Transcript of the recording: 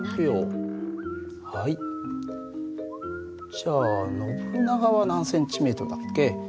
じゃあノブナガは何ｃｍだっけ？